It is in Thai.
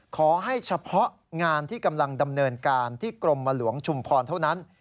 ขอให้เฉพาะงานที่กำลังดำเนินการที่กรมหลวงชุมพรเท่านั้น